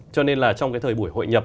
cho nên là trong cái thời buổi hội nhập